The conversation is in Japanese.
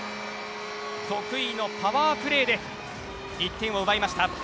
得意のパワープレーで１点を奪いました。